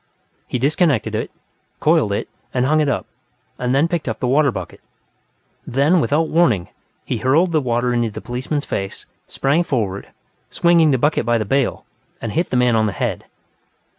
He disconnected it, coiled it and hung it up, and then picked up the water bucket. Then, without warning, he hurled the water into the policeman's face, sprang forward, swinging the bucket by the bale, and hit the man on the head.